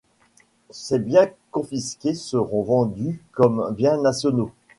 Ses biens confisqués seront vendus comme biens nationaux.